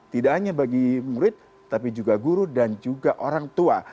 tidak hanya bagi murid tapi juga guru dan juga orang tua